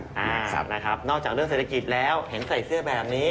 นอกจากเรื่องเศรษฐกิจแล้วเห็นใส่เสื้อแบบนี้